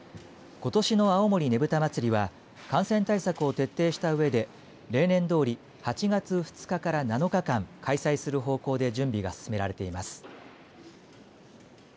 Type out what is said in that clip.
ことしの青森ねぶた祭は感染対策を徹底したうえで例年どおり８月２日から７日間開催する方向で準備が進められています。